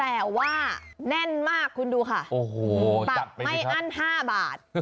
แต่ว่าแน่นมากคุณดูค่ะตักไม่อั้น๕บาท